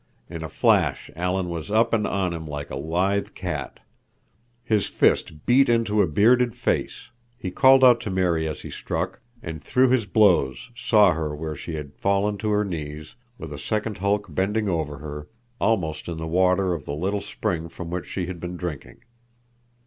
In a flash Alan was up and on him like a lithe cat. His fist beat into a bearded face; he called out to Mary as he struck, and through his blows saw her where she had fallen to her knees, with a second hulk bending over her, almost in the water of the little spring from which she had been drinking.